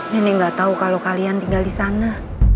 nenek gak tahu kalau kalian tinggal di sana